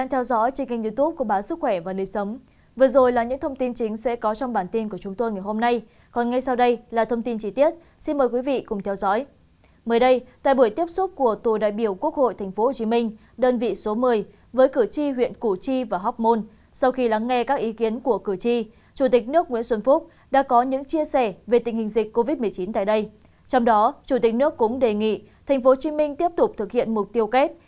trong đó chủ tịch nước cũng đề nghị thành phố hồ chí minh tiếp tục thực hiện mục tiêu kép